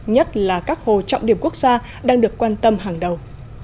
nhất là các hồ trọng điểm quốc gia đang được quan tâm hàng đầu